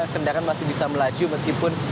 kendaraan masih bisa melaju meskipun